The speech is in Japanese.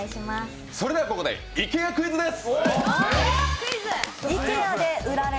それではここでイケアクイズです！